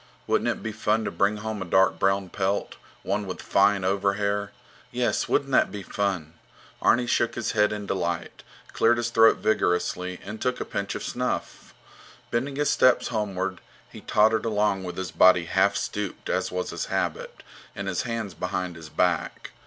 Wouldn't it be fun to bring home a dark brown pelt, one with fine overhair? Yes, wouldn't that be fun? Arni shook his head in delight, cleared his throat vigorously, and took a pinch of snuff. Bending his steps homeward, he tottered along with his body half stooped, as was his habit, and his hands behind his back.